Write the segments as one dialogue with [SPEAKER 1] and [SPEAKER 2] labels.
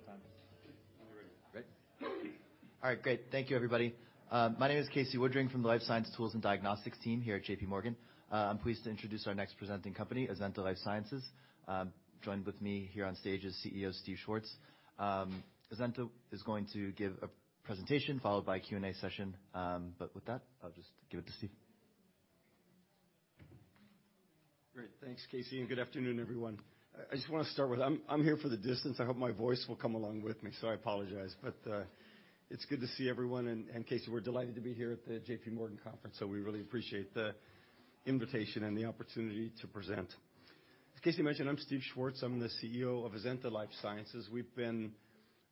[SPEAKER 1] Showtime.
[SPEAKER 2] We're ready.
[SPEAKER 1] Great. All right, great. Thank you, everybody. My name is Casey Woodring from the Life Sciences Tools and Diagnostics team here at JPMorgan. I'm pleased to introduce our next presenting company, Azenta Life Sciences. Joined with me here on stage is CEO Stephen Schwartz. Azenta is going to give a presentation followed by a Q&A session. With that, I'll just give it to Steve.
[SPEAKER 2] Great. Thanks, Casey, good afternoon, everyone. I just wanna start with I'm here for the distance. I hope my voice will come along with me, I apologize. It's good to see everyone, and Casey, we're delighted to be here at the JPMorgan conference, we really appreciate the invitation and the opportunity to present. As Casey mentioned, I'm Steve Schwartz, I'm the CEO of Azenta Life Sciences.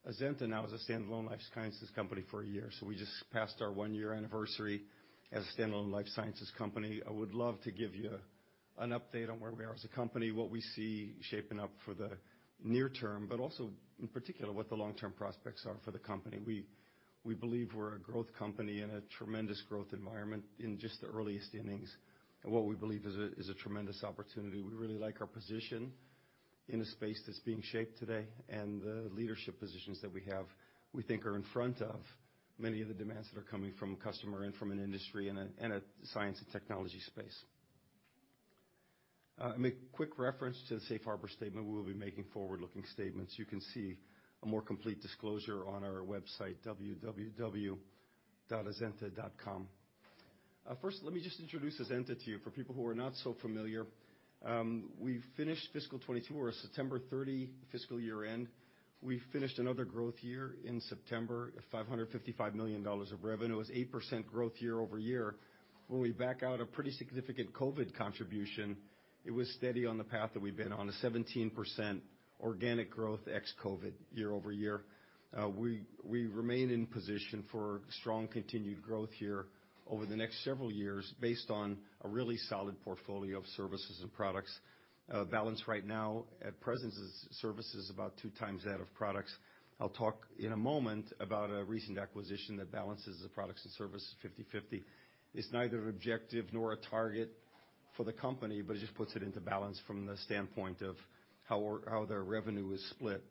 [SPEAKER 2] Azenta now is a standalone life sciences company for a year, we just passed our one-year anniversary as a standalone life sciences company. I would love to give you an update on where we are as a company, what we see shaping up for the near term, also in particular, what the long-term prospects are for the company. We believe we're a growth company in a tremendous growth environment in just the earliest innings, and what we believe is a tremendous opportunity. We really like our position in a space that's being shaped today, and the leadership positions that we have, we think are in front of many of the demands that are coming from customer and from an industry in a science and technology space. I'll make quick reference to the safe harbor statement. We will be making forward-looking statements. You can see a more complete disclosure on our website, www.azenta.com. First, let me just introduce Azenta to you. For people who are not so familiar, we finished fiscal 2022, we're a September 30 fiscal year end. We finished another growth year in September at $555 million of revenue. It was 8% growth year-over-year. When we back out a pretty significant COVID contribution, it was steady on the path that we've been on, a 17% organic growth ex-COVID year-over-year. We remain in position for strong continued growth here over the next several years based on a really solid portfolio of services and products. Balance right now at presence is services about two times that of products. I'll talk in a moment about a recent acquisition that balances the products and services 50/50. It's neither objective nor a target for the company, it just puts it into balance from the standpoint of how we're how their revenue is split.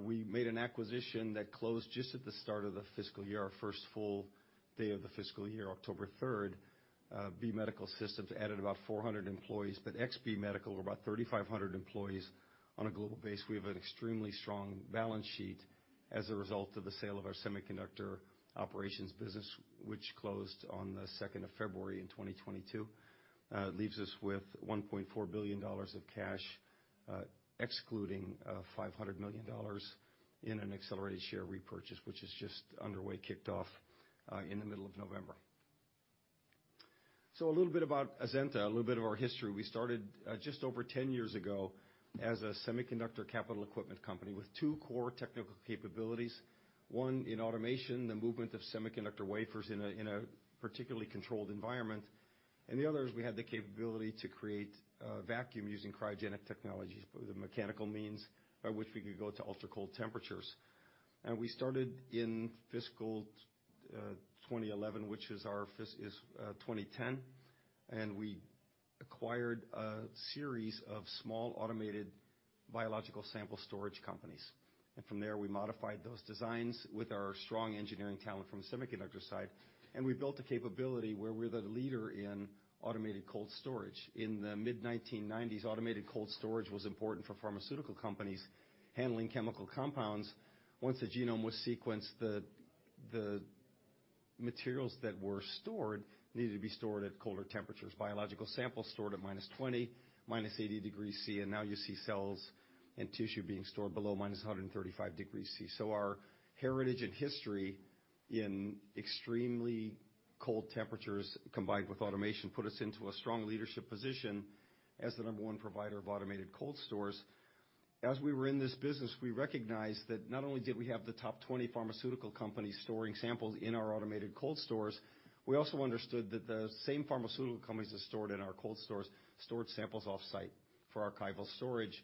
[SPEAKER 2] We made an acquisition that closed just at the start of the fiscal year, our first full day of the fiscal year, October third. B Medical Systems added about 400 employees. Ex-B Medical, we're about 3,500 employees on a global base. We have an extremely strong balance sheet as a result of the sale of our semiconductor operations business, which closed on the second of February in 2022. It leaves us with $1.4 billion of cash, excluding $500 million in an accelerated share repurchase, which is just underway, kicked off in the middle of November. A little bit about Azenta, a little bit of our history. We started just over 10 years ago as a semiconductor capital equipment company with two core technical capabilities, one in automation, the movement of semiconductor wafers in a particularly controlled environment. The other is we had the capability to create vacuum using cryogenic technologies with the mechanical means by which we could go to ultra-cold temperatures. We started in fiscal 2011, which is our fiscal 2010. We acquired a series of small automated biological sample storage companies. From there, we modified those designs with our strong engineering talent from the semiconductor side. We built the capability where we're the leader in automated cold storage. In the mid-1990s, automated cold storage was important for pharmaceutical companies handling chemical compounds. Once the genome was sequenced, the materials that were stored needed to be stored at colder temperatures. Biological samples stored at -20, -80 degrees Celsius. Now you see cells and tissue being stored below minus 135 degrees Celsius. Our heritage and history in extremely cold temperatures combined with automation put us into a strong leadership position as the number one provider of automated cold storage. As we were in this business, we recognized that not only did we have the top 20 pharmaceutical companies storing samples in our automated cold stores, we also understood that the same pharmaceutical companies that stored in our cold stores stored samples off-site for archival storage.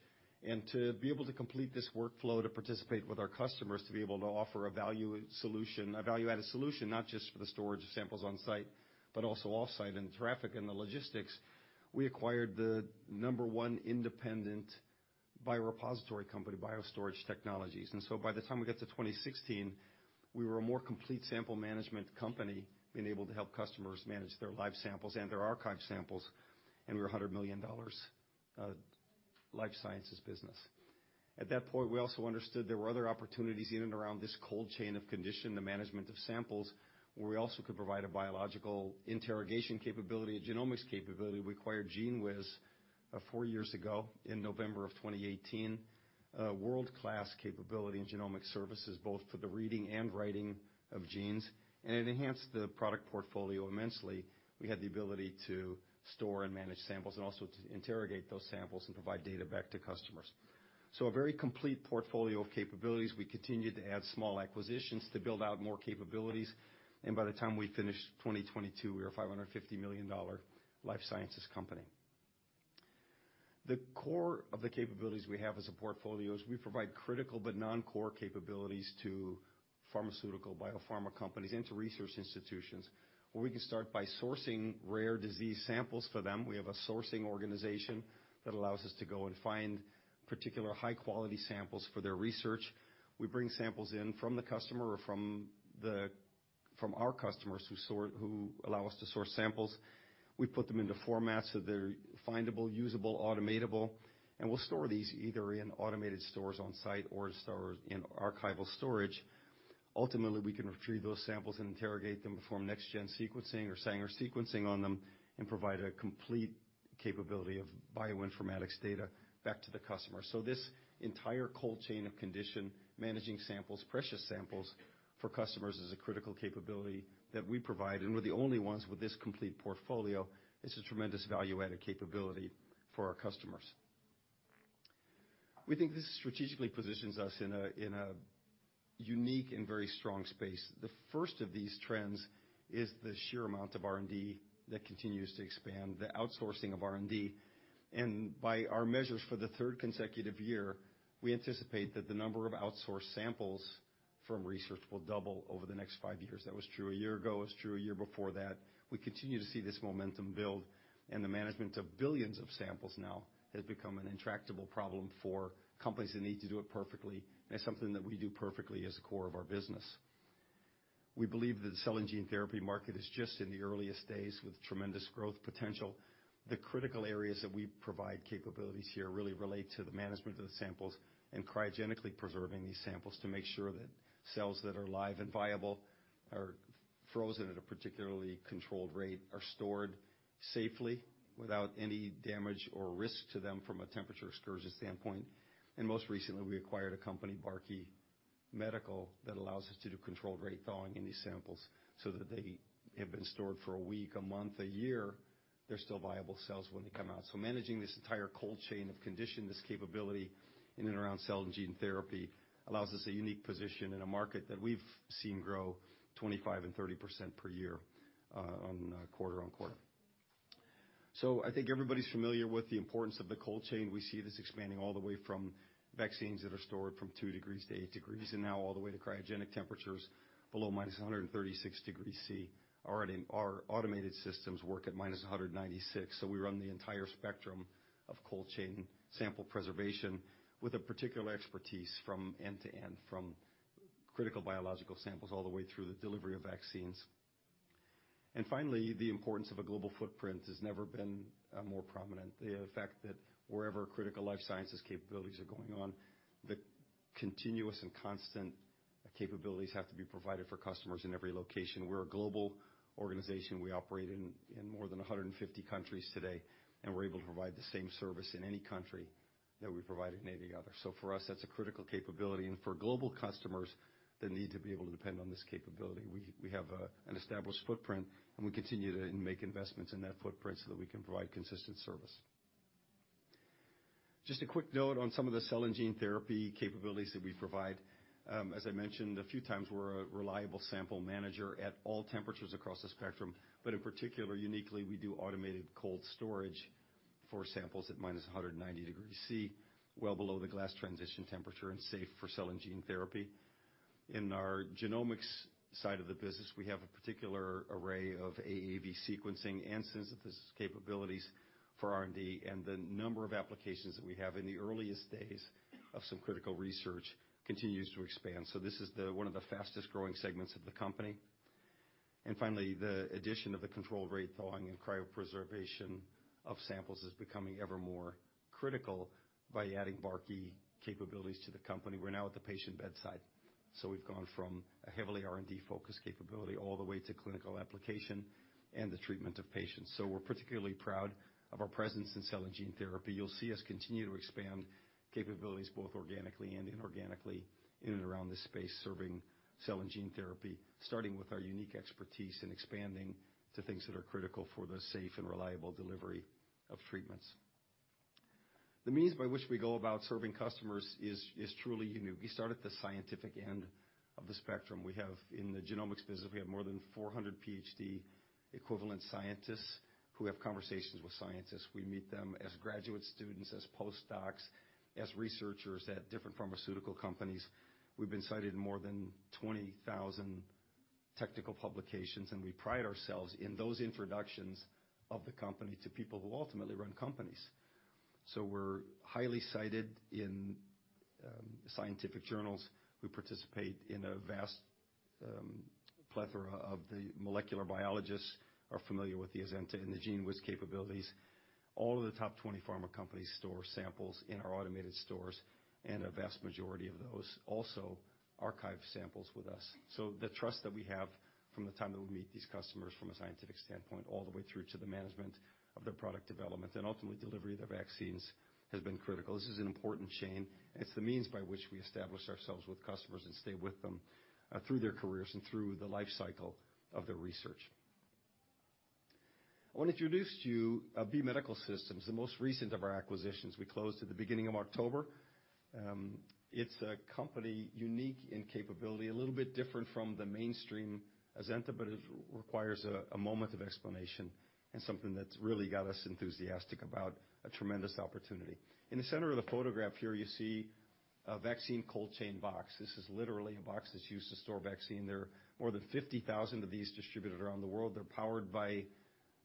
[SPEAKER 2] To be able to complete this workflow to participate with our customers, to be able to offer a value solution, a value-added solution, not just for the storage of samples on-site, but also off-site and traffic and the logistics, we acquired the number one independent biorepository company, BioStorage Technologies. By the time we got to 2016, we were a more complete sample management company, being able to help customers manage their live samples and their archive samples, and we were a $100 million life sciences business. At that point, we also understood there were other opportunities in and around this cold chain of condition, the management of samples, where we also could provide a biological interrogation capability, a genomics capability. We acquired GENEWIZ, four years ago in November of 2018. World-class capability in genomic services, both for the reading and writing of genes, it enhanced the product portfolio immensely. We had the ability to store and manage samples, also to interrogate those samples and provide data back to customers. A very complete portfolio of capabilities. We continued to add small acquisitions to build out more capabilities, by the time we finished 2022, we were a $550 million life sciences company. The core of the capabilities we have as a portfolio is we provide critical but non-core capabilities to pharmaceutical biopharma companies into research institutions, where we can start by sourcing rare disease samples for them. We have a sourcing organization that allows us to go and find particular high-quality samples for their research. We bring samples in from the customer or from our customers who allow us to source samples. We put them into formats so they're findable, usable, automatable, we'll store these either in automated stores on site or stored in archival storage. Ultimately, we can retrieve those samples and interrogate them, perform next-gen sequencing or Sanger sequencing on them, and provide a complete capability of bioinformatics data back to the customer. This entire cold chain of condition, managing samples, precious samples for customers is a critical capability that we provide, and we're the only ones with this complete portfolio. It's a tremendous value-added capability for our customers. We think this strategically positions us in a unique and very strong space. The first of these trends is the sheer amount of R&D that continues to expand, the outsourcing of R&D. By our measures for the third consecutive year, we anticipate that the number of outsourced samples from research will double over the next five years. That was true a year ago, it was true a year before that. We continue to see this momentum build and the management of billions of samples now has become an intractable problem for companies that need to do it perfectly, and it's something that we do perfectly as a core of our business. We believe that the cell and gene therapy market is just in the earliest days with tremendous growth potential. The critical areas that we provide capabilities here really relate to the management of the samples and cryogenically preserving these samples to make sure that cells that are live and viable are frozen at a particularly controlled rate, are stored safely without any damage or risk to them from a temperature excursion standpoint. Most recently, we acquired a company, Barkey, that allows us to do controlled rate thawing in these samples so that they have been stored for a week, a month, a year. They're still viable cells when they come out. Managing this entire cold chain of condition, this capability in and around cell and gene therapy allows us a unique position in a market that we've seen grow 25% and 30% per year, quarter-on-quarter. I think everybody's familiar with the importance of the cold chain. We see this expanding all the way from vaccines that are stored from 2 degrees to 8 degrees, and now all the way to cryogenic temperatures below -136 degrees Celsius. Already, our automated systems work at -196, we run the entire spectrum of cold chain sample preservation with a particular expertise from end to end, from critical biological samples all the way through the delivery of vaccines. Finally, the importance of a global footprint has never been more prominent. The fact that wherever critical life sciences capabilities are going on, the continuous and constant capabilities have to be provided for customers in every location. We're a global organization. We operate in more than 150 countries today, we're able to provide the same service in any country that we provide in any other. For us, that's a critical capability, and for global customers that need to be able to depend on this capability, we have an established footprint, and we continue to make investments in that footprint so that we can provide consistent service. Just a quick note on some of the cell and gene therapy capabilities that we provide. As I mentioned, a few times we're a reliable sample manager at all temperatures across the spectrum, but in particular, uniquely, we do automated cold storage for samples at -190 degrees Celsius, well below the glass transition temperature and safe for cell and gene therapy. In our genomics side of the business, we have a particular array of AAV sequencing and synthesis capabilities for R&D. The number of applications that we have in the earliest days of some critical research continues to expand. This is one of the fastest-growing segments of the company. Finally, the addition of the controlled rate thawing and cryopreservation of samples is becoming ever more critical by adding Barkey capabilities to the company. We're now at the patient bedside. We've gone from a heavily R&D-focused capability all the way to clinical application and the treatment of patients. We're particularly proud of our presence in cell and gene therapy. You'll see us continue to expand capabilities both organically and inorganically in and around this space, serving cell and gene therapy, starting with our unique expertise and expanding to things that are critical for the safe and reliable delivery of treatments. The means by which we go about serving customers is truly unique. We start at the scientific end of the spectrum. We have, in the genomics business, we have more than 400 PhD equivalent scientists who have conversations with scientists. We meet them as graduate students, as postdocs, as researchers at different pharmaceutical companies. We've been cited in more than 20,000 technical publications, and we pride ourselves in those introductions of the company to people who ultimately run companies. We're highly cited in scientific journals. We participate in a vast plethora of the molecular biologists are familiar with the Azenta and the GENEWIZ capabilities. All of the top 20 pharma companies store samples in our automated stores, and a vast majority of those also archive samples with us. The trust that we have from the time that we meet these customers from a scientific standpoint all the way through to the management of their product development and ultimately delivery of their vaccines has been critical. This is an important chain, and it's the means by which we establish ourselves with customers and stay with them through their careers and through the life cycle of their research. I want to introduce to you B Medical Systems, the most recent of our acquisitions. We closed at the beginning of October. It's a company unique in capability, a little bit different from the mainstream Azenta, it requires a moment of explanation and something that's really got us enthusiastic about a tremendous opportunity. In the center of the photograph here, you see a vaccine cold chain box. This is literally a box that's used to store vaccine. There are more than 50,000 of these distributed around the world. They're powered by...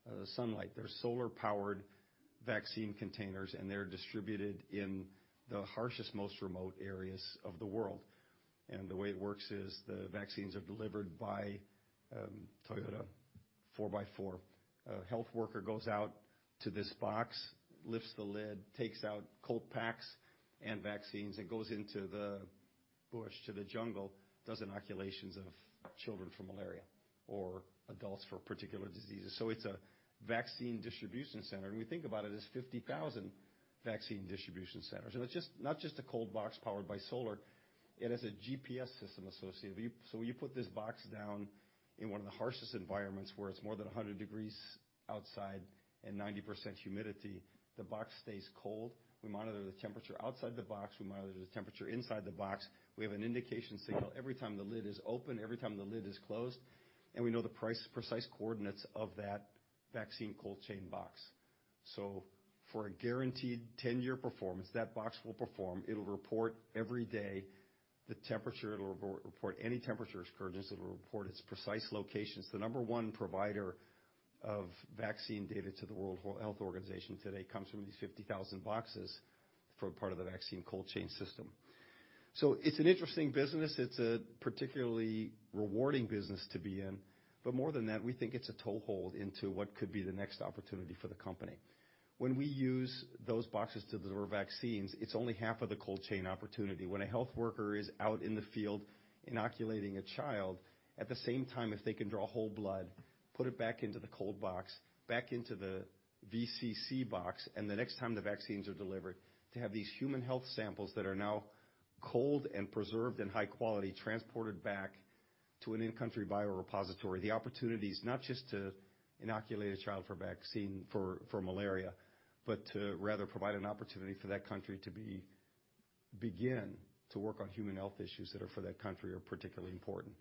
[SPEAKER 2] the sunlight. They're solar-powered vaccine containers, they're distributed in the harshest, most remote areas of the world. The way it works is the vaccines are delivered by Toyota four-by-four. A health worker goes out to this box, lifts the lid, takes out cold packs and vaccines, and goes into the bush, to the jungle, does inoculations of children for malaria or adults for particular diseases. It's a vaccine distribution center, and we think about it as 50,000 vaccine distribution centers. It's not just a cold box powered by solar, it has a GPS system associated. When you put this box down in one of the harshest environments where it's more than 100 degrees outside and 90% humidity, the box stays cold. We monitor the temperature outside the box. We monitor the temperature inside the box. We have an indication signal every time the lid is open, every time the lid is closed, we know the precise coordinates of that vaccine cold chain box. For a guaranteed 10-year performance, that box will perform. It'll report every day the temperature. It'll report any temperature occurrences. It'll report its precise locations. The number one provider of vaccine data to the World Health Organization today comes from these 50,000 boxes for part of the vaccine cold chain system. It's an interesting business. It's a particularly rewarding business to be in, more than that, we think it's a toehold into what could be the next opportunity for the company. When we use those boxes to deliver vaccines, it's only half of the cold chain opportunity. When a health worker is out in the field inoculating a child, at the same time, if they can draw whole blood, put it back into the cold box, back into the VCC box, and the next time the vaccines are delivered, to have these human health samples that are now cold and preserved in high quality transported back to an in-country biorepository. The opportunity is not just to inoculate a child for vaccine for malaria, but to rather provide an opportunity for that country to begin to work on human health issues that are for that country are particularly important.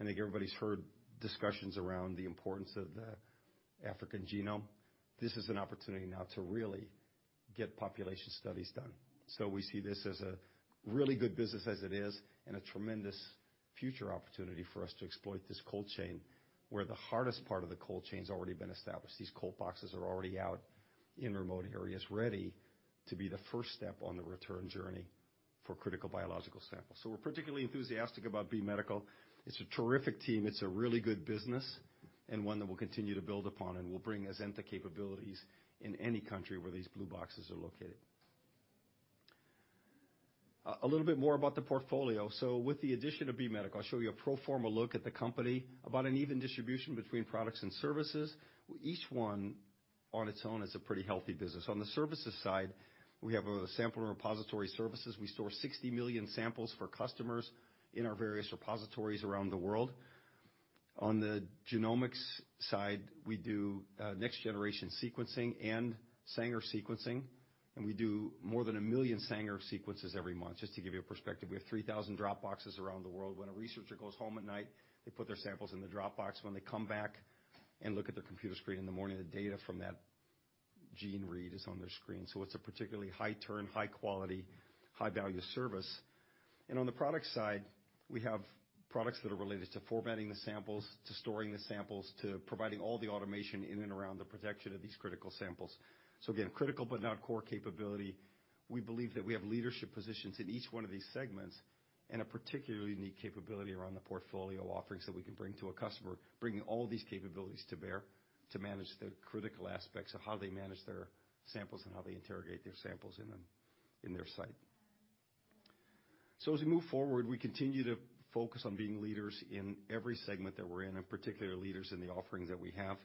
[SPEAKER 2] I think everybody's heard discussions around the importance of the African genome. This is an opportunity now to really get population studies done. We see this as a really good business as it is and a tremendous future opportunity for us to exploit this cold chain where the hardest part of the cold chain's already been established. These cold boxes are already out in remote areas ready to be the first step on the return journey for critical biological samples. We're particularly enthusiastic about B Medical. It's a terrific team. It's a really good business and one that we'll continue to build upon, and we'll bring Azenta capabilities in any country where these blue boxes are located. A little bit more about the portfolio. With the addition of B Medical, I'll show you a pro forma look at the company, about an even distribution between products and services. Each one on its own is a pretty healthy business. On the services side, we have our sample repository services. We store 60 million samples for customers in our various repositories around the world. On the genomics side, we do next-generation sequencing and Sanger sequencing, and we do more than 1 million Sanger sequences every month. Just to give you a perspective, we have 3,000 drop boxes around the world. When a researcher goes home at night, they put their samples in the drop box. When they come back and look at their computer screen in the morning, the data from that gene read is on their screen. It's a particularly high turn, high quality, high value service. On the product side, we have products that are related to formatting the samples, to storing the samples, to providing all the automation in and around the protection of these critical samples. Again, critical but not core capability. We believe that we have leadership positions in each one of these segments and a particularly unique capability around the portfolio offerings that we can bring to a customer, bringing all these capabilities to bear to manage the critical aspects of how they manage their samples and how they interrogate their samples in their site. As we move forward, we continue to focus on being leaders in every segment that we're in, and particularly leaders in the offerings that we have.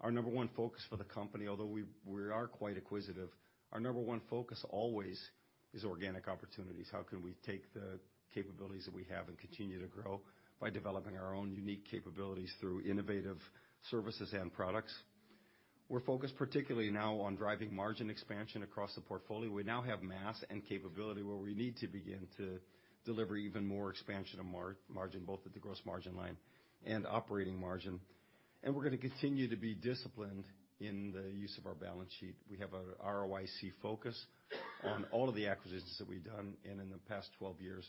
[SPEAKER 2] Our number one focus for the company, although we are quite acquisitive, our number one focus always is organic opportunities. How can we take the capabilities that we have and continue to grow by developing our own unique capabilities through innovative services and products? We're focused particularly now on driving margin expansion across the portfolio. We now have mass and capability where we need to begin to deliver even more expansion of margin, both at the gross margin line and operating margin. We're gonna continue to be disciplined in the use of our balance sheet. We have our ROIC focus on all of the acquisitions that we've done. In the past 12 years,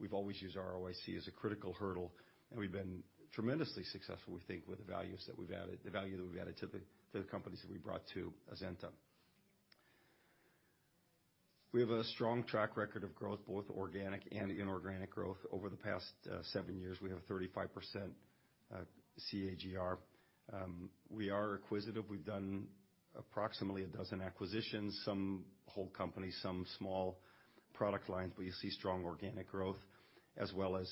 [SPEAKER 2] we've always used ROIC as a critical hurdle, and we've been tremendously successful, we think, with the values that we've added, the value that we've added to the companies that we brought to Azenta. We have a strong track record of growth, both organic and inorganic growth. Over the past seven years, we have a 35% CAGR. We are acquisitive. We've done approximately a dozen acquisitions, some whole companies, some small product lines. You see strong organic growth as well as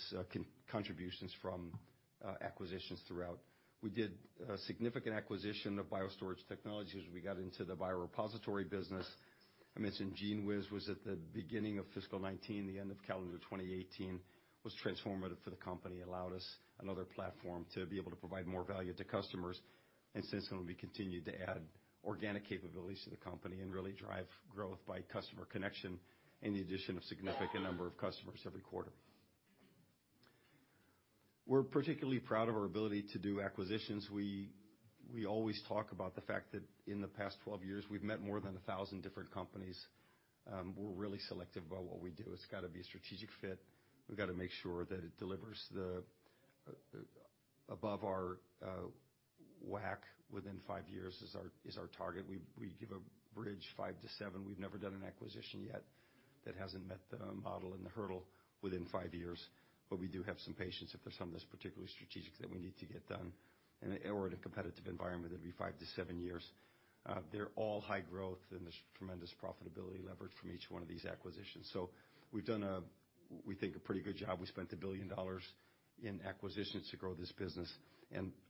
[SPEAKER 2] contributions from acquisitions throughout. We did a significant acquisition of BioStorage Technologies. We got into the biorepository business. I mentioned GENEWIZ was at the beginning of fiscal 2019, the end of calendar 2018. Was transformative for the company. Allowed us another platform to be able to provide more value to customers. Since then, we've continued to add organic capabilities to the company and really drive growth by customer connection and the addition of significant number of customers every quarter. We're particularly proud of our ability to do acquisitions. We always talk about the fact that in the past 12 years, we've met more than 1,000 different companies. We're really selective about what we do. It's gotta be a strategic fit. We've gotta make sure that it delivers the above our WACC within five years is our target. We give a bridge five to seven. We've never done an acquisition yet that hasn't met the model and the hurdle within five years. We do have some patients, if there's some that's particularly strategic, that we need to get done or in a competitive environment, it'd be five to seven years. They're all high growth, and there's tremendous profitability leverage from each one of these acquisitions. We've done a, we think, a pretty good job. We spent $1 billion in acquisitions to grow this business.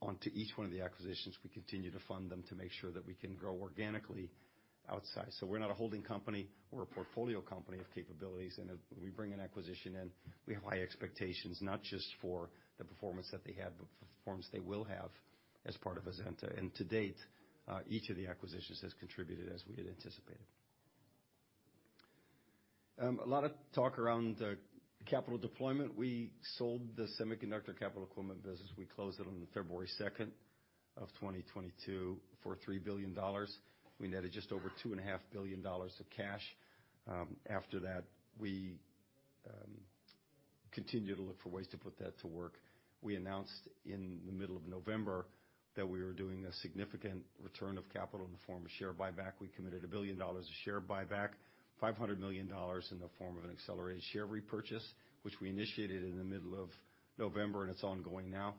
[SPEAKER 2] Onto each one of the acquisitions, we continue to fund them to make sure that we can grow organically outside. We're not a holding company. We're a portfolio company of capabilities, and if we bring an acquisition in, we have high expectations, not just for the performance that they had, but the performance they will have as part of Azenta. To date, each of the acquisitions has contributed as we had anticipated. A lot of talk around capital deployment. We sold the semiconductor capital equipment business. We closed it on February 2, 2022 for $3 billion. We netted just over $2.5 billion of cash. After that, we continue to look for ways to put that to work. We announced in the middle of November that we were doing a significant return of capital in the form of share buyback. We committed $1 billion of share buyback, $500 million in the form of an accelerated share repurchase, which we initiated in the middle of November, and it's ongoing now.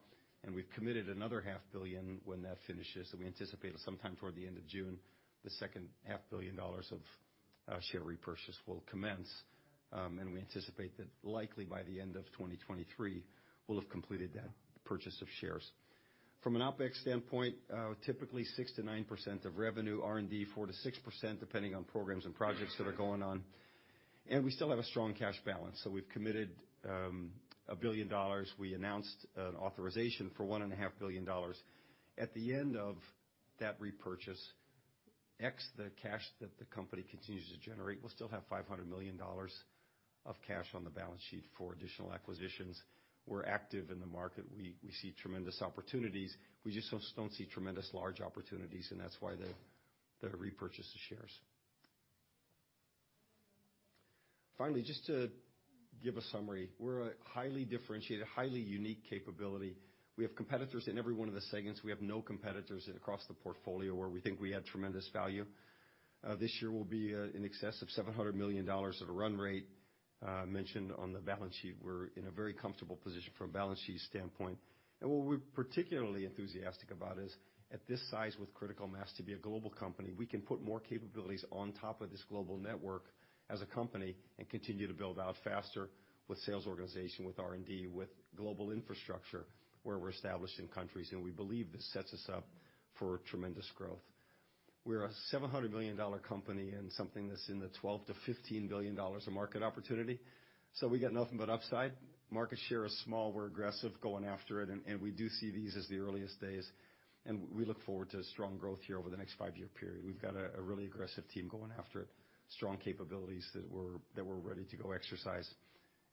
[SPEAKER 2] We've committed another half billion when that finishes, and we anticipate sometime toward the end of June, the second half billion dollars of share repurchase will commence. We anticipate that likely by the end of 2023, we'll have completed that purchase of shares. From an OpEx standpoint, typically 6%-9% of revenue, R&D 4%-6%, depending on programs and projects that are going on. We still have a strong cash balance. We've committed $1 billion. We announced an authorization for one and a half billion dollars. At the end of that repurchase, x the cash that the company continues to generate, we'll still have $500 million of cash on the balance sheet for additional acquisitions. We're active in the market. We see tremendous opportunities. We just don't see tremendous large opportunities, That's why the repurchased the shares. Finally, just to give a summary, we're a highly differentiated, highly unique capability. We have competitors in every one of the segments. We have no competitors across the portfolio where we think we add tremendous value. This year will be in excess of $700 million at a run rate, mentioned on the balance sheet. We're in a very comfortable position from a balance sheet standpoint. What we're particularly enthusiastic about is at this size with critical mass to be a global company, we can put more capabilities on top of this global network as a company and continue to build out faster with sales organization, with R&D, with global infrastructure, where we're established in countries, we believe this sets us up for tremendous growth. We're a $700 million company and something that's in the $12 billion-$15 billion of market opportunity. We got nothing but upside. Market share is small. We're aggressive going after it. We do see these as the earliest days. We look forward to strong growth here over the next five year period. We've got a really aggressive team going after it, strong capabilities that we're ready to go exercise.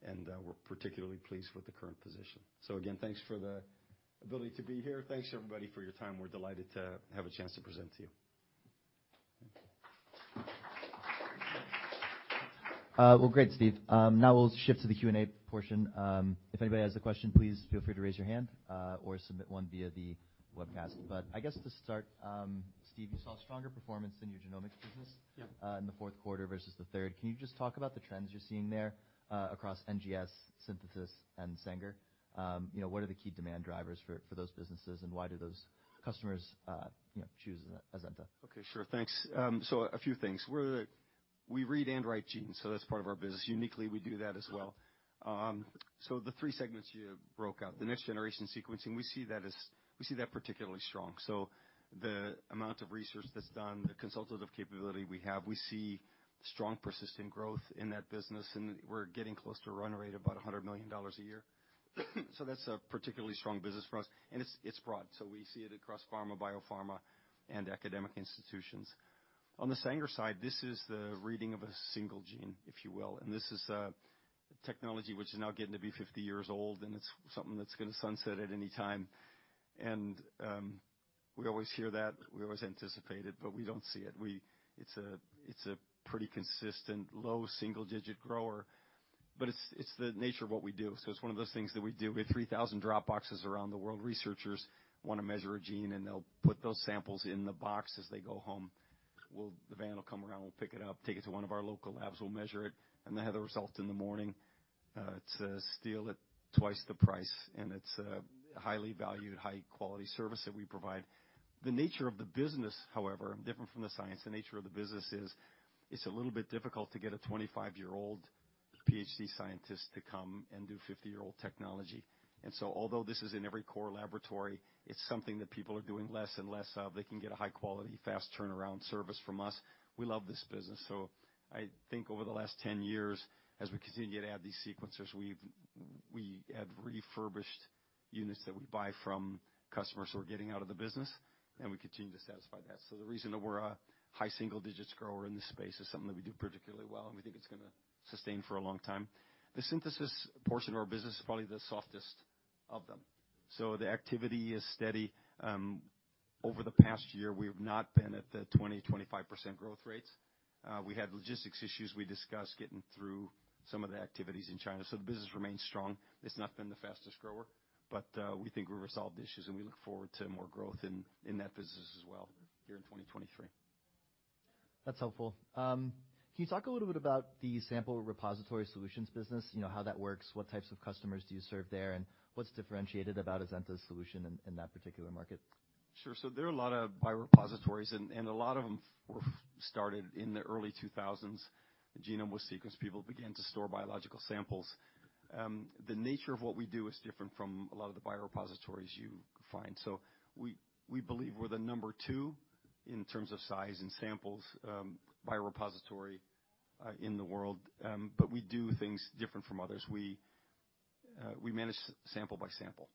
[SPEAKER 2] We're particularly pleased with the current position. Again, thanks for the ability to be here. Thanks, everybody, for your time. We're delighted to have a chance to present to you.
[SPEAKER 1] Well, great, Steve. Now we'll shift to the Q&A portion. If anybody has a question, please feel free to raise your hand or submit one via the webcast. I guess to start, Steve, you saw stronger performance in your genomics business.
[SPEAKER 2] Yeah.
[SPEAKER 1] In the fourth quarter versus the third. Can you just talk about the trends you're seeing there, across NGS, synthesis and Sanger? you know, what are the key demand drivers for those businesses, and why do those customers, you know, choose Azenta?
[SPEAKER 2] Okay, sure. Thanks. A few things. We read and write genes, so that's part of our business. Uniquely, we do that as well. The three segments you broke out. The next-generation sequencing, we see that particularly strong. The amount of research that's done, the consultative capability we have, we see strong, persistent growth in that business, and we're getting close to a run rate of about $100 million a year. That's a particularly strong business for us, and it's broad. We see it across pharma, biopharma, and academic institutions. On the Sanger side, this is the reading of a single gene, if you will. This is a technology which is now getting to be 50 years old, and it's something that's gonna sunset at any time. We always hear that. We always anticipate it, we don't see it. It's a pretty consistent low single-digit grower, it's the nature of what we do. It's one of those things that we do. We have 3,000 drop boxes around the world. Researchers want to measure a gene, they'll put those samples in the box as they go home. The van will come around. We'll pick it up, take it to one of our local labs. We'll measure it and they have the result in the morning. It's still at twice the price, it's a highly valued, high-quality service that we provide. The nature of the business, however, different from the science, the nature of the business is, it's a little bit difficult to get a 25-year-old PhD scientist to come and do 50-year-old technology. Although this is in every core laboratory, it's something that people are doing less and less of. They can get a high quality, fast turnaround service from us. We love this business. I think over the last 10 years, as we continue to add these sequencers, we have refurbished units that we buy from customers who are getting out of the business, and we continue to satisfy that. The reason that we're a high single digits grower in this space is something that we do particularly well, and we think it's gonna sustain for a long time. The synthesis portion of our business is probably the softest of them. The activity is steady. Over the past year, we have not been at the 20-25% growth rates. We had logistics issues we discussed getting through some of the activities in China. The business remains strong. It's not been the fastest grower, but we think we resolved issues, and we look forward to more growth in that business as well here in 2023.
[SPEAKER 1] That's helpful. Can you talk a little bit about the sample repository solutions business? You know, how that works, what types of customers do you serve there, and what's differentiated about Azenta's solution in that particular market?
[SPEAKER 2] Sure. There are a lot of biorepositories and a lot of them were started in the early 2000s. The genome was sequenced, people began to store biological samples. The nature of what we do is different from a lot of the biorepositories you find. We believe we're the number two in terms of size and samples, biorepository in the world. We do things different from others. We manage sample by sample.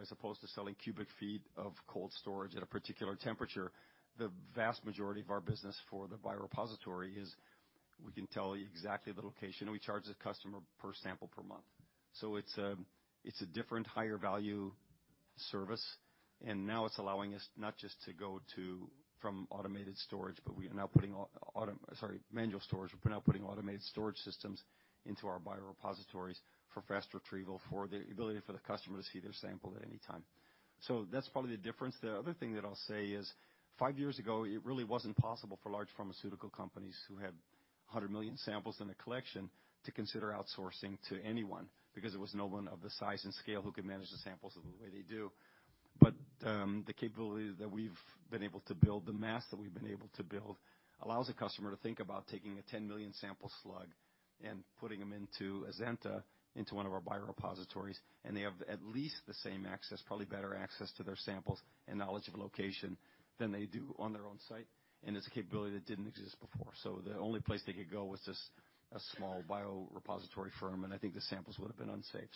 [SPEAKER 2] As opposed to selling cubic feet of cold storage at a particular temperature, the vast majority of our business for the biorepository is we can tell you exactly the location, and we charge the customer per sample per month. It's a different higher value service, and now it's allowing us not just to go from automated storage, but we are now putting manual storage. We're now putting automated storage systems into our biorepositories for fast retrieval, for the ability for the customer to see their sample at any time. That's probably the difference. The other thing that I'll say is, five years ago, it really wasn't possible for large pharmaceutical companies who had 100 million samples in a collection to consider outsourcing to anyone because there was no one of the size and scale who could manage the samples the way they do. The capabilities that we've been able to build, the mass that we've been able to build allows a customer to think about taking a 10 million sample slug and putting them into Azenta, into one of our biorepositories, and they have at least the same access, probably better access to their samples and knowledge of location than they do on their own site, and it's a capability that didn't exist before. The only place they could go was just a small biorepository firm, and I think the samples would have been unsafe.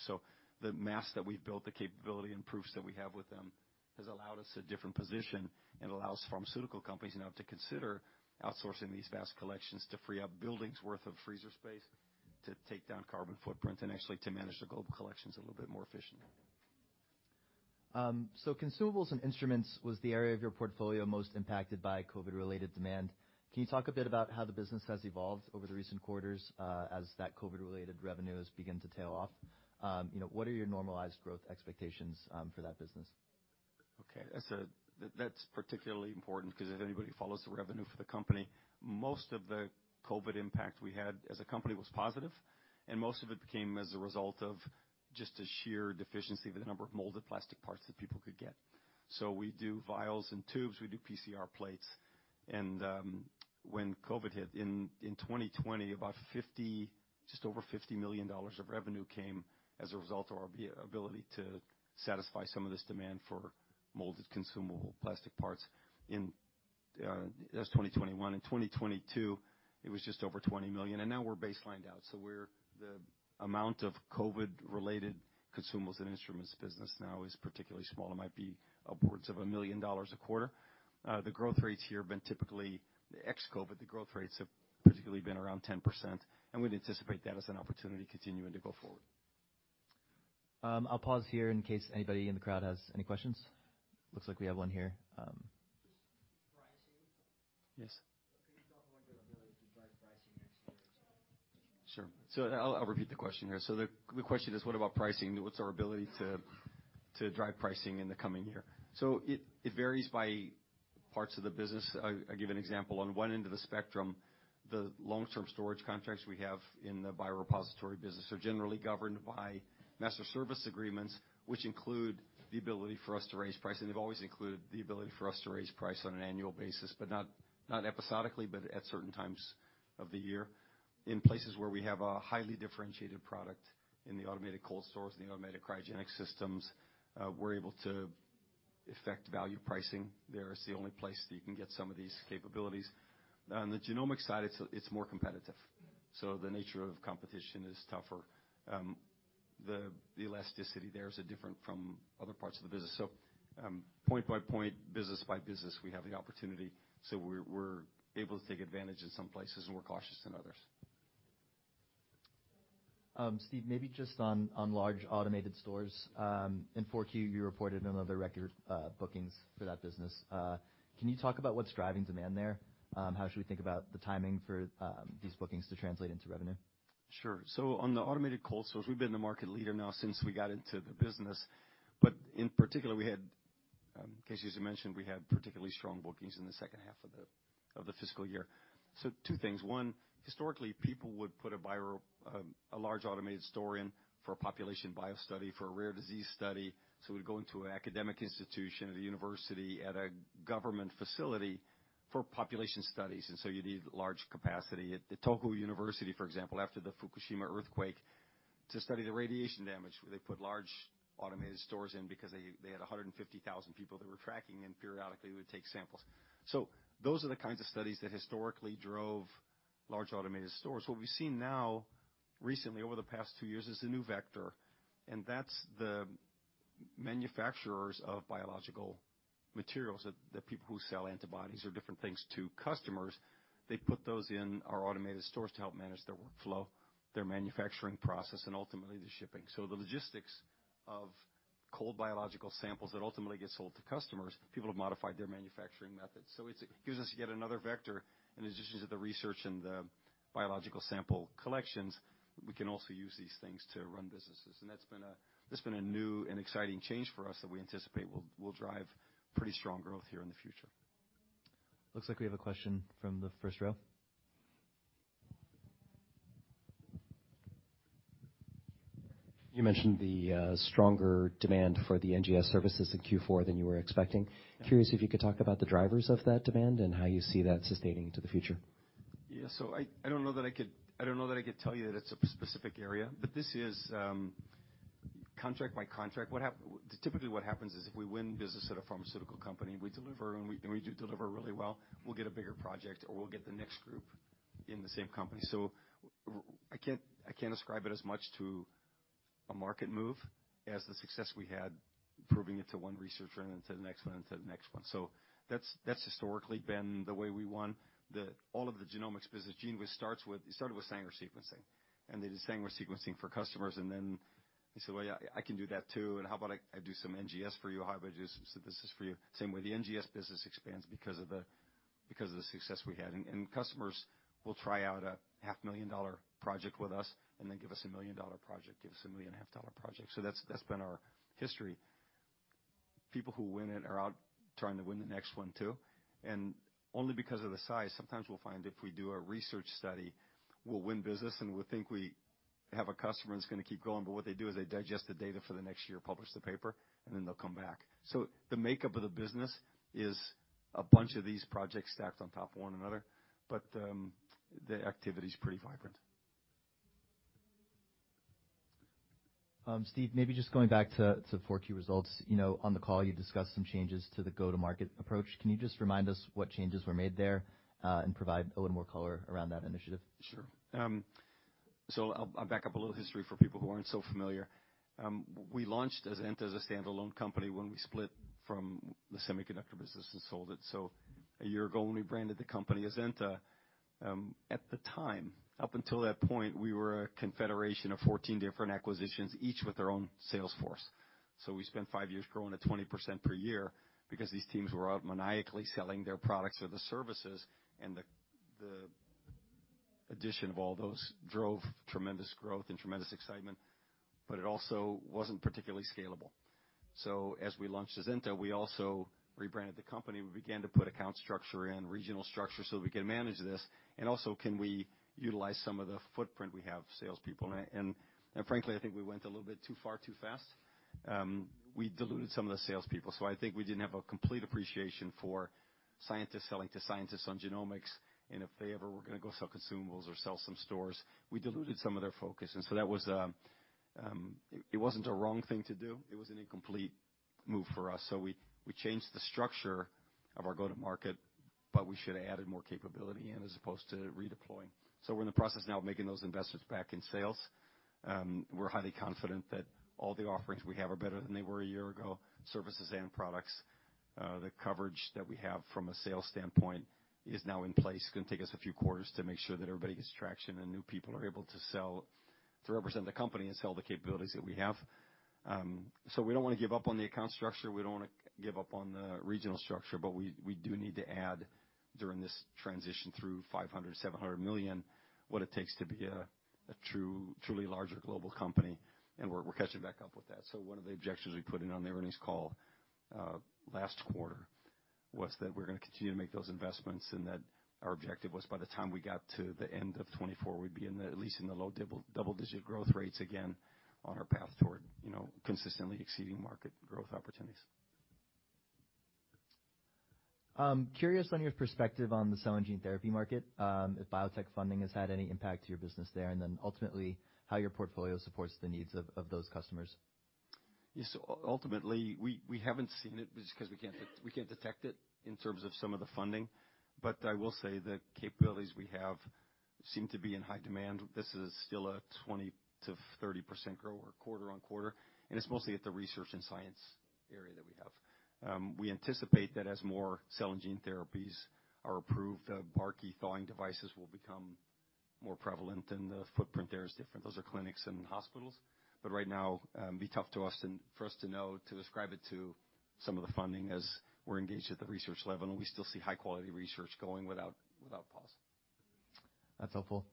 [SPEAKER 2] The mass that we've built, the capability and proofs that we have with them has allowed us a different position and allows pharmaceutical companies now to consider outsourcing these vast collections to free up buildings worth of freezer space, to take down carbon footprint, and actually to manage their global collections a little bit more efficiently.
[SPEAKER 1] Consumables and instruments was the area of your portfolio most impacted by COVID-related demand. Can you talk a bit about how the business has evolved over the recent quarters, as that COVID-related revenues begin to tail off? You know, what are your normalized growth expectations for that business?
[SPEAKER 2] That's particularly important 'cause if anybody follows the revenue for the company, most of the COVID impact we had as a company was positive, and most of it came as a result of just a sheer deficiency of the number of molded plastic parts that people could get. We do vials and tubes, we do PCR plates. When COVID hit in 2020, just over $50 million of revenue came as a result of our ability to satisfy some of this demand for molded consumable plastic parts. That's 2021. In 2022, it was just over $20 million, and now we're baselined out. The amount of COVID-related consumables and instruments business now is particularly small. It might be upwards of $1 million a quarter. The growth rates here have been typically... Ex-COVID, the growth rates have particularly been around 10%. We'd anticipate that as an opportunity continuing to go forward.
[SPEAKER 1] I'll pause here in case anybody in the crowd has any questions. Looks like we have one here.
[SPEAKER 3] Pricing.
[SPEAKER 2] Yes.
[SPEAKER 3] Can you talk more about the ability to drive pricing next year?
[SPEAKER 2] Sure. I'll repeat the question here. The question is, what about pricing? What's our ability to drive pricing in the coming year? It varies by parts of the business. I'll give you an example. On one end of the spectrum, the long-term storage contracts we have in the biorepository business are generally governed by master service agreements, which include the ability for us to raise price, and they've always included the ability for us to raise price on an annual basis, but not episodically, but at certain times of the year. In places where we have a highly differentiated product in the automated cold source, in the automated cryogenic systems, we're able to effect value pricing. There is the only place that you can get some of these capabilities. On the genomic side, it's more competitive, so the nature of competition is tougher. The elasticity there is different from other parts of the business. Point by point, business by business, we have the opportunity. We're able to take advantage in some places, and we're cautious in others.
[SPEAKER 1] Steve, maybe just on large automated stores. In 4Q, you reported another record bookings for that business. Can you talk about what's driving demand there? How should we think about the timing for these bookings to translate into revenue?
[SPEAKER 2] Sure. On the automated cold storage, we've been the market leader now since we got into the business. In particular, we had, Casey, as you mentioned, we had particularly strong bookings in the second half of the fiscal year. Two things. One, historically, people would put a large automated store in for a population biostudy for a rare disease study. We'd go into an academic institution at a university, at a government facility for population studies. You need large capacity. At the Tohoku University, for example, after the Fukushima earthquake, to study the radiation damage, they put large automated stores in because they had 150,000 people they were tracking, and periodically would take samples. Those are the kinds of studies that historically drove large automated stores. What we've seen now recently, over the past two years, is a new vector, and that's the manufacturers of biological materials that people who sell antibodies or different things to customers, they put those in our automated stores to help manage their workflow, their manufacturing process, and ultimately the shipping. The logistics-Of cold biological samples that ultimately get sold to customers, people have modified their manufacturing methods. It's, it gives us yet another vector. In addition to the research and the biological sample collections, we can also use these things to run businesses. That's been a, that's been a new and exciting change for us that we anticipate will drive pretty strong growth here in the future.
[SPEAKER 1] Looks like we have a question from the first row.
[SPEAKER 4] You mentioned the stronger demand for the NGS services in Q4 than you were expecting.
[SPEAKER 2] Yeah.
[SPEAKER 4] Curious if you could talk about the drivers of that demand and how you see that sustaining into the future.
[SPEAKER 2] Yeah. I don't know that I could, I don't know that I could tell you that it's a specific area, but this is contract by contract. Typically, what happens is if we win business at a pharmaceutical company, we do deliver really well, we'll get a bigger project, or we'll get the next group in the same company. I can't ascribe it as much to a market move as the success we had proving it to one researcher and then to the next one, and to the next one. That's historically been the way we won the. All of the genomics business GENEWIZ starts with, it started with Sanger sequencing. They did Sanger sequencing for customers, and then they said, "Well, yeah, I can do that too. How about I do some NGS for you? How about I do some synthesis for you? Same way the NGS business expands because of the success we had. Customers will try out a half million dollar project with us, give us a $1 million project, give us a million and a half dollar project. That's been our history. People who win it are out trying to win the next one too. Only because of the size, sometimes we'll find if we do a research study, we'll win business, we'll think we have a customer that's gonna keep going, but what they do is they digest the data for the next year, publish the paper, they'll come back. The makeup of the business is a bunch of these projects stacked on top of one another. The activity is pretty vibrant.
[SPEAKER 1] Steve, maybe just going back to 4Q results. You know, on the call you discussed some changes to the go-to-market approach. Can you just remind us what changes were made there, and provide a little more color around that initiative?
[SPEAKER 2] Sure. I'll back up a little history for people who aren't so familiar. We launched Azenta as a standalone company when we split from the semiconductor business and sold it. A year ago, when we branded the company Azenta, at the time, up until that point, we were a confederation of 14 different acquisitions, each with their own sales force. We spent five years growing at 20% per year because these teams were out maniacally selling their products or the services. The, the addition of all those drove tremendous growth and tremendous excitement, but it also wasn't particularly scalable. As we launched Azenta, we also rebranded the company. We began to put account structure in, regional structure so we can manage this and also can we utilize some of the footprint we have of salespeople. Frankly, I think we went a little bit too far too fast. We diluted some of the salespeople. I think we didn't have a complete appreciation for scientists selling to scientists on genomics. If they ever were gonna go sell consumables or sell some stores, we diluted some of their focus. It wasn't a wrong thing to do. It was an incomplete move for us. We, we changed the structure of our go-to-market, but we should have added more capability in as opposed to redeploying. We're in the process now of making those investments back in sales. We're highly confident that all the offerings we have are better than they were a year ago, services and products. The coverage that we have from a sales standpoint is now in place. It's gonna take us a few quarters to make sure that everybody gets traction and new people are able to sell, to represent the company and sell the capabilities that we have. We don't wanna give up on the account structure. We don't wanna give up on the regional structure. We do need to add during this transition through $500 million-$700 million, what it takes to be a truly larger global company, and we're catching back up with that. One of the objections we put in on the earnings call, last quarter was that we're gonna continue to make those investments and that our objective was by the time we got to the end of 2024, we'd be in the, at least in the low double-digit growth rates again on our path toward, you know, consistently exceeding market growth opportunities.
[SPEAKER 1] Curious on your perspective on the cell and gene therapy market, if biotech funding has had any impact to your business there, and then ultimately how your portfolio supports the needs of those customers?
[SPEAKER 2] Yes. Ultimately, we haven't seen it just 'cause we can't detect it in terms of some of the funding. I will say the capabilities we have seem to be in high demand. This is still a 20%-30% grow or quarter-over-quarter, and it's mostly at the research and science area that we have. We anticipate that as more cell and gene therapies are approved, the Barkey thawing devices will become more prevalent, and the footprint there is different. Those are clinics and hospitals. Right now, it'd be tough to us, for us to know to ascribe it to some of the funding as we're engaged at the research level, and we still see high quality research going without pause.
[SPEAKER 1] That's helpful.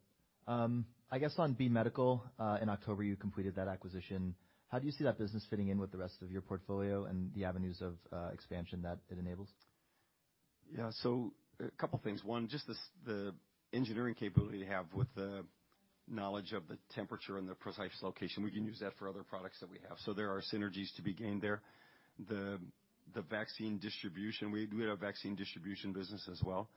[SPEAKER 1] I guess on B Medical Systems, in October, you completed that acquisition. How do you see that business fitting in with the rest of your portfolio and the avenues of expansion that it enables?
[SPEAKER 2] A couple things. One, just the engineering capability they have with the knowledge of the temperature and the precise location. We can use that for other products that we have. There are synergies to be gained there. The vaccine distribution. We had a vaccine distribution business as well.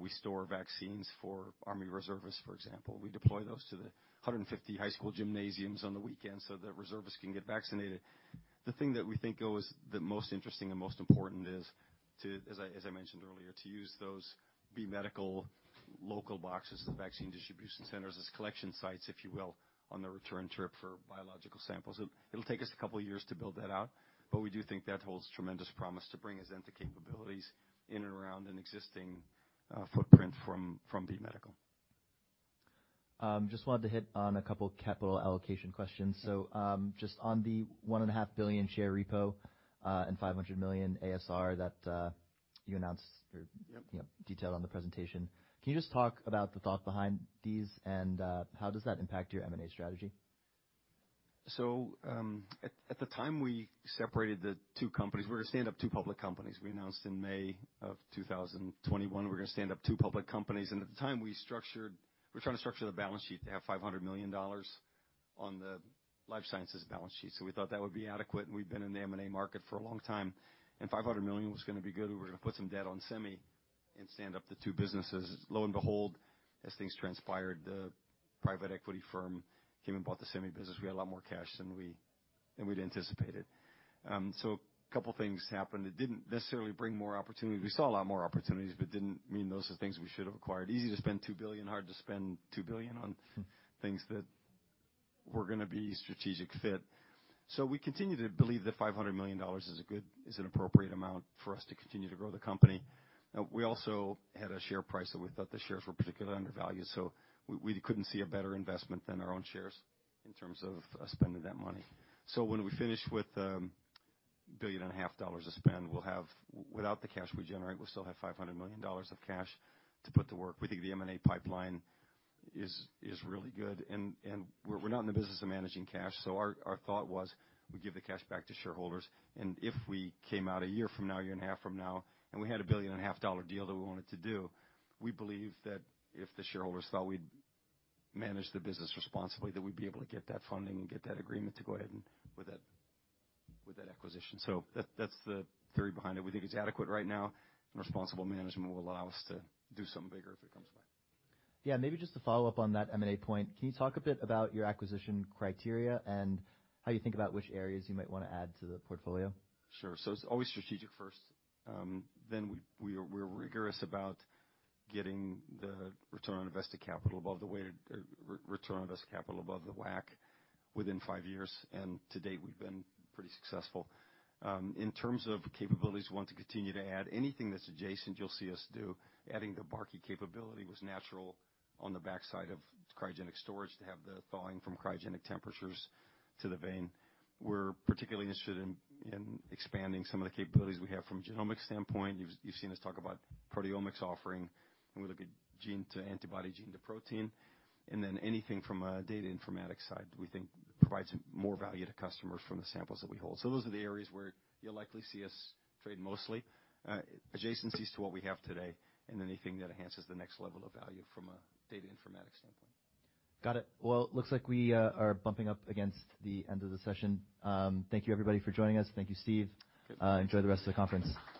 [SPEAKER 2] We store vaccines for army reservists, for example. We deploy those to the 150 high school gymnasiums on the weekend so that reservists can get vaccinated. The thing that we think, though, is the most interesting and most important is to, as I mentioned earlier, to use those B Medical local boxes, the vaccine distribution centers, as collection sites, if you will, on the return trip for biological samples. It'll take us a couple of years to build that out, but we do think that holds tremendous promise to bring Azenta capabilities in and around an existing footprint from B Medical.
[SPEAKER 1] Just wanted to hit on a couple capital allocation questions. Just on the $1.5 billion share repo and $500 million ASR that you announced.
[SPEAKER 2] Yep.
[SPEAKER 1] You know, detailed on the presentation. Can you just talk about the thought behind these and, how does that impact your M&A strategy?
[SPEAKER 2] At the time we separated the two companies, we're gonna stand up two public companies. We announced in May of 2021 we're gonna stand up two public companies. At the time we're trying to structure the balance sheet to have $500 million on the life sciences balance sheet, so we thought that would be adequate, and we'd been in the M&A market for a long time, and $500 million was gonna be good. We were gonna put some debt on semi and stand up the two businesses. Lo and behold, as things transpired, the private equity firm came and bought the semi business. We had a lot more cash than we'd anticipated. A couple things happened. It didn't necessarily bring more opportunities. Didn't mean those are things we should have acquired. Easy to spend $2 billion, hard to spend $2 billion on things that were going to be strategic fit. We continue to believe that $500 million is an appropriate amount for us to continue to grow the company. We also had a share price that we thought the shares were particularly undervalued, so we couldn't see a better investment than our own shares in terms of spending that money. When we finish with billion and a half dollars of spend, we'll have... Without the cash we generate, we'll still have $500 million of cash to put to work. We think the M&A pipeline is really good and we're not in the business of managing cash, our thought was we give the cash back to shareholders. If we came out a year from now, a year and a half from now, and we had a billion and a half dollar deal that we wanted to do, we believe that if the shareholders thought we'd manage the business responsibly, that we'd be able to get that funding and get that agreement to go ahead and with that acquisition. That's the theory behind it. We think it's adequate right now, and responsible management will allow us to do something bigger if it comes by.
[SPEAKER 1] Maybe just to follow up on that M&A point, can you talk a bit about your acquisition criteria and how you think about which areas you might wanna add to the portfolio?
[SPEAKER 2] Sure. It's always strategic first. We're rigorous about getting the return on invested capital above the WACC within five years. To date, we've been pretty successful. In terms of capabilities, we want to continue to add anything that's adjacent, you'll see us do. Adding the Barkey capability was natural on the backside of cryogenic storage to have the thawing from cryogenic temperatures to the vein. We're particularly interested in expanding some of the capabilities we have from a genomics standpoint. You've seen us talk about proteomics offering. We look at gene to antibody, gene to protein. Anything from a data informatics side, we think provides more value to customers from the samples that we hold. Those are the areas where you'll likely see us trade mostly. Adjacencies to what we have today and anything that enhances the next level of value from a data informatics standpoint.
[SPEAKER 1] Got it. Well, looks like we are bumping up against the end of the session. Thank you everybody for joining us. Thank you, Steve.
[SPEAKER 2] Yep.
[SPEAKER 1] Enjoy the rest of the conference.
[SPEAKER 2] Thanks.